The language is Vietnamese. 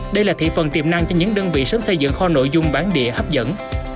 đây là thị phần tiềm năng cho những đơn vị sớm xây dựng kho nội dung bản địa hấp dẫn